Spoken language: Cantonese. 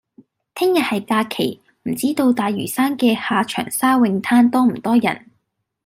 聽日係假期，唔知道大嶼山嘅下長沙泳灘多唔多人？